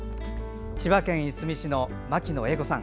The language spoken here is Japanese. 千葉県いすみ市の牧野榮子さん。